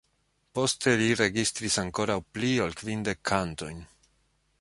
Poste li registris ankoraŭ pli ol kvindek kantojn.